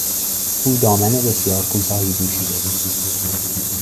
او دامن بسیار کوتاهی پوشیده بود.